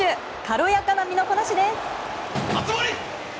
軽やかな身のこなしです。